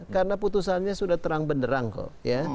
karena putusannya sudah terang beneran kok